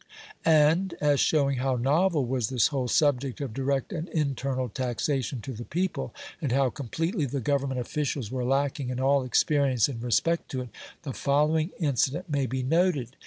And as showing how novel was this whole subject of direct and internal taxation to the people, and how completely the Government officials were lacking in all experience in respect to it, the following incident may be noted.